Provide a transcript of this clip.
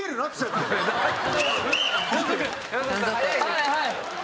はいはい！